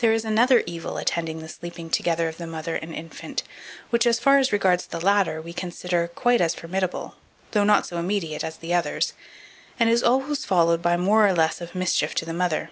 There is another evil attending the sleeping together of the mother and infant, which, as far as regards the latter, we consider quite as formidable, though not so immediate as the others, and is always followed by more or less of mischief to the mother.